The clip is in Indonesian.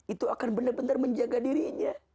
itu akan benar benar menjaga dirinya